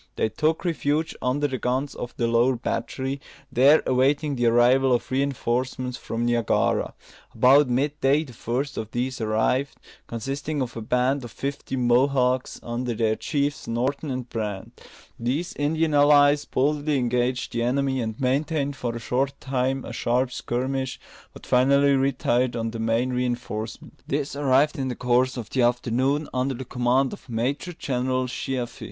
They took refuge under the guns of the lower battery, there awaiting the arrival of reinforcements from Niagara. About mid day the first of these arrived, consisting of a band of fifty Mohawks, under their chiefs, Norton and Brant. These Indian allies boldly engaged the enemy, and maintained for a short time a sharp skirmish, but finally retired on the main reinforcement. This arrived in the course of the afternoon, under the command of Major General Sheaffe.